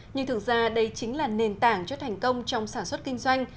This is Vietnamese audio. nhưng thực ra đây chính là nền tảng cho thành công trong sản xuất kinh doanh